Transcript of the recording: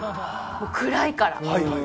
暗いから。